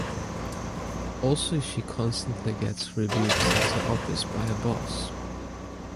Also she constantly gets rebuked at her office by her boss.